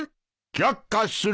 却下する。